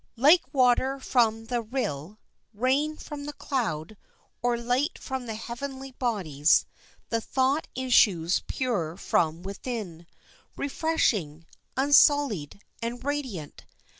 Like water from the rill, rain from the cloud, or light from the heavenly bodies, the thought issues pure from within, refreshing, unsullied, and radiant.